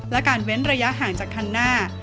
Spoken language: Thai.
และการเว้นระยะห่างจากคันหน้า